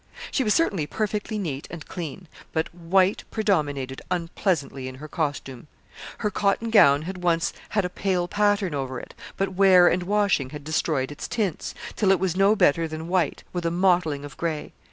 She was certainly perfectly neat and clean, but white predominated unpleasantly in her costume. Her cotton gown had once had a pale pattern over it, but wear and washing had destroyed its tints, till it was no better than white, with a mottling of gray.